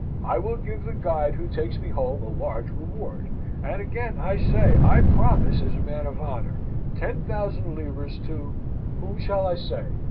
I will give the guide who takes me home a large reward. And again I say, I promise, as a man of honour, ten thousand livres to whom shall I say?